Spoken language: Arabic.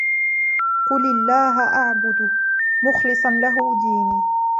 قُلِ اللَّهَ أَعبُدُ مُخلِصًا لَهُ ديني